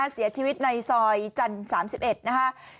เสียชีวิตในซอยจันทร์๓๑นะคะ